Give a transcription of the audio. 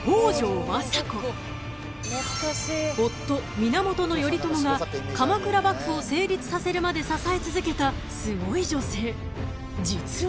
［夫源頼朝が鎌倉幕府を成立させるまで支え続けたスゴい女性］［実は］